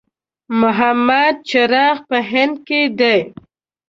محمد چراغ په هند کې دی.